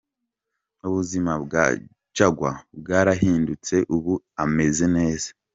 Ubuzima bwa Jaguar bwarahindutse ubu ameze neza.